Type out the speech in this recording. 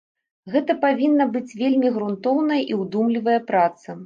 Гэта павінна быць вельмі грунтоўная і ўдумлівая праца.